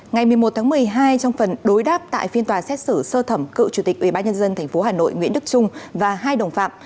ngày một mươi một tháng một mươi hai trong phần đối đáp tại phiên tòa xét xử sơ thẩm cựu chủ tịch ubnd tp hà nội nguyễn đức trung và hai đồng phạm